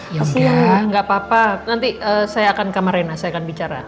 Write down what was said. iya udah gak apa apa nanti saya akan kamar rena saya akan bicara